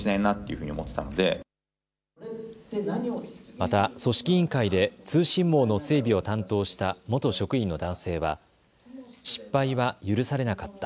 また組織委員会で通信網の整備を担当した元職員の男性は失敗は許されなかった。